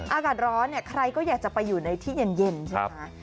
อากาศร้อนเนี่ยใครก็อยากจะไปอยู่ในที่เย็นใช่ไหมคะ